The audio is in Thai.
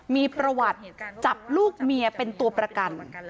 มีประวัติจับลูกเมียเป็นตัวประกัน